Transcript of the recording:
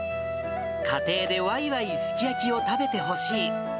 家庭でわいわいすき焼きを食べてほしい。